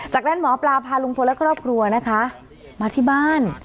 จากนั้นหมอปลาพาลุงพลและครอบครัวนะคะมาที่บ้าน